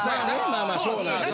まあまあそうなんですよね。